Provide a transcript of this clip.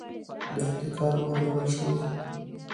د احتکار مخه نیول شوې؟